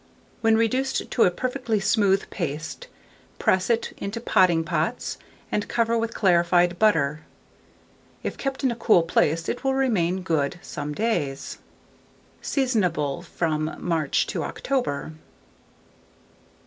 When reduced to a perfectly smooth paste, press it into potting pots, and cover with clarified butter. If kept in a cool place, it will remain good some days. Seasonable from March to October.